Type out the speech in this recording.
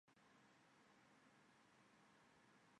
河名衍生出当地镇名琅南塔及省名琅南塔省。